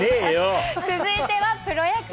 続いてはプロ野球。